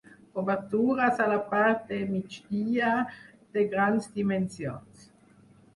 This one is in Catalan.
Obertures a la part de migdia de grans dimensions.